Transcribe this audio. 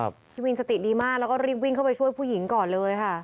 พี่วินสติดีมากแล้วก็รีบวิ่งเข้าไปช่วยผู้หญิงก่อนเลยค่ะ